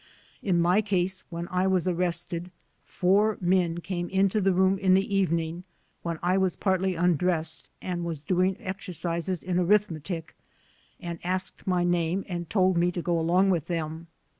In my case, when I was arrested, four men came into the room in the evening, when I was partly undressed, and was doing exercises in arithmetic, and asked my name and told me to go along with them.